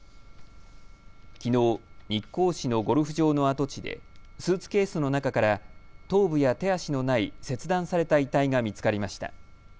きのう日光市のゴルフ場の跡地でスーツケースの中から頭部や手足のない切断された遺体が見つかりました。